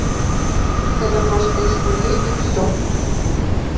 Гэта проста існуе і ўсё.